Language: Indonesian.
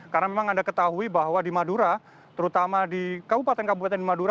karena memang anda ketahui bahwa di madura terutama di kabupaten kabupaten di madura